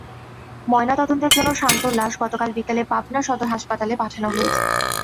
ময়নাতদন্তের জন্য শান্তর লাশ গতকাল বিকেলে পাবনা সদর হাসপাতালে পাঠানো হয়েছে।